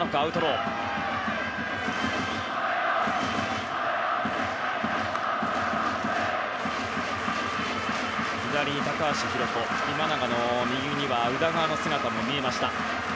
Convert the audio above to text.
ベンチ、左に高橋宏斗今永の右には宇田川の姿も見えました。